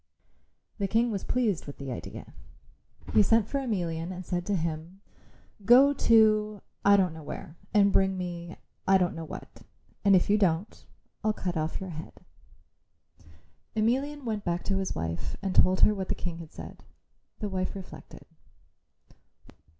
The King was pleased with the idea. He sent for Emelian and said to him, "Go to I don't know where, and bring me I don't know what. And if you don't, I'll cut off your head." Emelian went back to his wife and told her what the King had said. The wife reflected.